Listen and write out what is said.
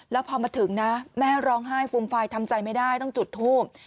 แล้วพอมาถึงนะแม่ร้องไห้ฟูมฟายทำใจไม่ได้ต้องจุดทูบ